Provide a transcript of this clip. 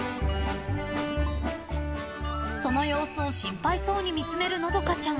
［その様子を心配そうに見つめるのどかちゃん］